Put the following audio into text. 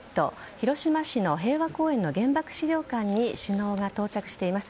広島市の平和公園の原爆資料館に首脳が到着しています。